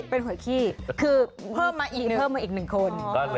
เพิ่มมาอีก๑คน